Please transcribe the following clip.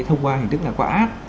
thông qua hình thức là qua app